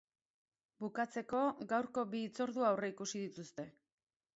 Bukatzeko, gaurko bi hitzordu aurreikusi dituzte.